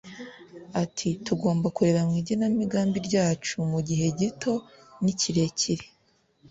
Ati “Tugomba kureba mu igenamigambi ryacu mu gihe gito n’ikirekire